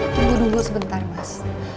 tunggu tunggu sebentar mas